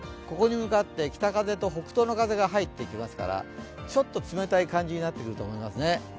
ここに向かってきた風と北東の風が入ってきますからちょっと冷たい感じになってくると思いますね。